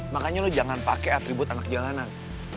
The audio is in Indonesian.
makanya lo jangan pakai atribut anak jalanan